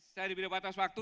saya diberi batas waktu